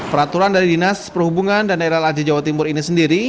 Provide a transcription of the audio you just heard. peraturan dari dinas perhubungan dan rl aj jawa timur ini sendiri